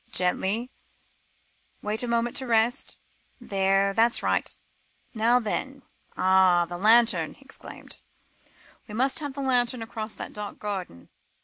"Gently wait a moment to rest. There that's right now then. Ah! the lantern," he exclaimed; "we must have the lantern across that dark garden."